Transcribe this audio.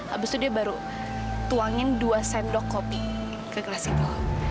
abis itu dia baru tuangin dua sendok kopi ke gelas itu